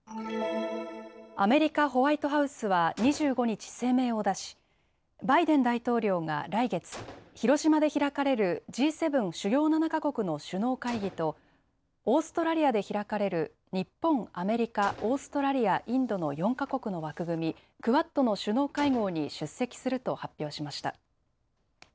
アメリカ・ホワイトハウスは２５日、声明を出しバイデン大統領が来月、広島で開かれるＧ７・主要７か国の首脳会議とオーストラリアで開かれる日本、アメリカ、オーストラリア、インドの４か国の枠組み・クアッドの首脳会合に出席すると発表しました。